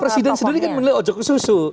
presiden sendiri kan menilai ojo ke susu